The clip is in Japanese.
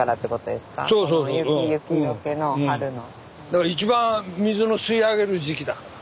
だから一番水の吸い上げる時期だから。